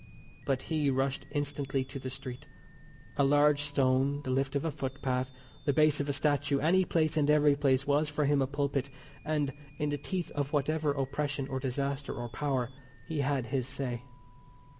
But he rushed instantly to the street. A large stone, the lift of a footpath, the base of a statue, any place and every place was for him a pulpit; and, in the teeth of whatever oppression or disaster or power, he said his say.